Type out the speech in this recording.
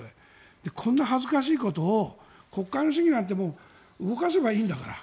こんな恥ずかしいことを国会の審議なんて動かせばいいんだから。